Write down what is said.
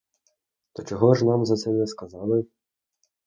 То чого ж нам за це не сказали?